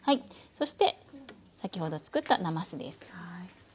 そして先ほど作ったなますです。